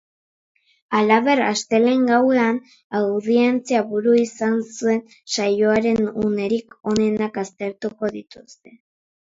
Halaber, astelehen gauean audientzia buru izan zen saioaren unerik onenak aztertuko dituzte.